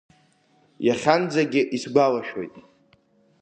Иахьанӡагьы исгәалашәоит.